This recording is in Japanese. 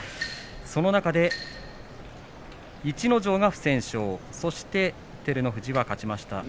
その中で逸ノ城が不戦勝そして照ノ富士は勝ちました。